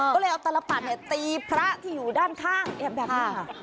ก็เลยเอาตลปัดตีพระที่อยู่ด้านข้างแบบนี้ค่ะ